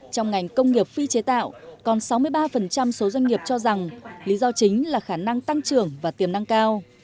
trong ngành công nghiệp phi chế tạo còn sáu mươi ba số doanh nghiệp cho rằng lý do chính là khả năng tăng trưởng và tiềm năng cao